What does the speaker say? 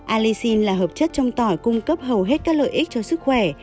alixin là hợp chất trong tỏi cung cấp hầu hết các lợi ích cho sức khỏe